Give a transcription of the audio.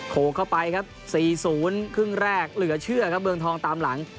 โกเข้าไปครับ๔๐ครึ่งแรกเหลือเชื่อครับเมืองทองตามหลัง